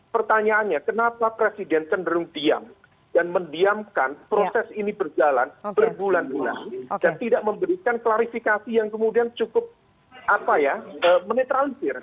pertanyaannya kenapa presiden cenderung diam dan mendiamkan proses ini berjalan berbulan bulan dan tidak memberikan klarifikasi yang kemudian cukup menetralisir